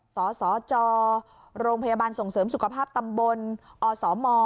สสจโรงพยาบาลส่งเสริมสุขภาพตำบลอสม